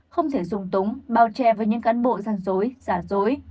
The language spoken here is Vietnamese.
không thể dùng túng bao che với những cán bộ gian dối giả dối